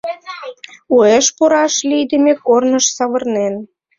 Уэш пураш лийдыме корныш савырнен.